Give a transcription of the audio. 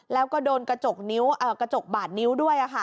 แล้วก็โดนกระจกบาดนิ้วด้วย